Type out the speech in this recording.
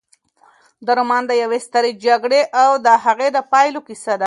دا رومان د یوې سترې جګړې او د هغې د پایلو کیسه ده.